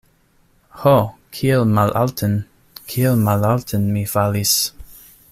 Ho, kiel malalten, kiel malalten mi falis!